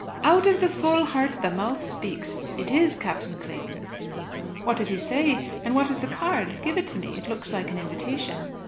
"Out of the full heart the mouth speaks. It is Captain Clayton." "What does he say, and what is the card? Give it me. It looks like an invitation."